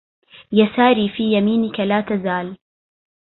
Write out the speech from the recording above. يساري في يمينك لا تزال